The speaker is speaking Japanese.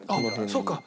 そっか！